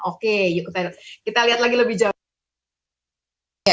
oke yuk kita lihat lagi lebih jauh